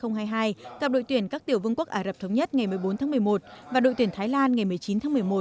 gặp đội tuyển các tiểu vương quốc ả rập thống nhất ngày một mươi bốn tháng một mươi một và đội tuyển thái lan ngày một mươi chín tháng một mươi một